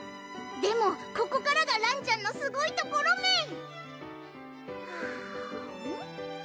でもここからがらんちゃんのすごいところメン！